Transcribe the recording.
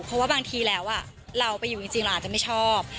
เพราะว่าบางทีแล้วเราไปอยู่จริงเราอาจจะไม่ชอบ